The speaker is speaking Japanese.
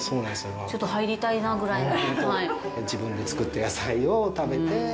ちょっと入りたいなぐらいな。